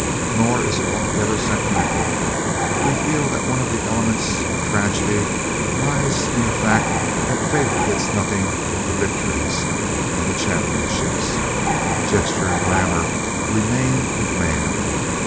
Nor is it altogether sentimental. We feel that one of the elements of tragedy lies in the fact that Fate gets nothing but the victories and the championships. Gesture and glamour remain with Man.